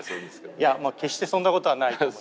いや決してそんなことはないと思います。